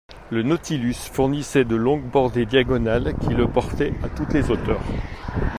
Le Nautilus fournissait de longues bordées diagonales qui le portaient à toutes les hauteurs.